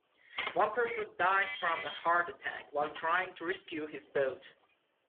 One person died from a heart attack while trying to rescue his boat.